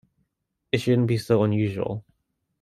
It shouldn't be so unusual.